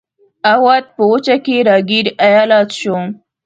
اَوَد په وچه کې را ګیر ایالت شو.